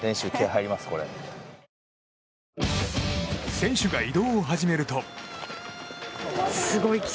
選手が移動を始めると。